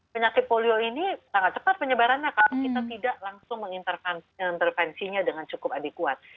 penyakit polio ini sangat cepat penyebarannya kalau kita tidak langsung mengintervensinya dengan cukup adekuat